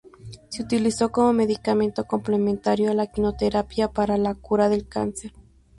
Es utilizado como medicamento complementario a la quimioterapia para la cura del cáncer.